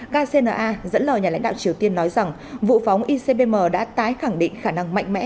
kcna dẫn lời nhà lãnh đạo triều tiên nói rằng vụ phóng icbm đã tái khẳng định khả năng mạnh mẽ